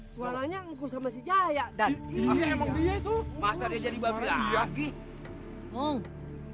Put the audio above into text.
suaranya ngkus sama si jaya dan